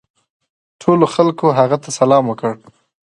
ټولو خلکو هغه ته سلام وکړ.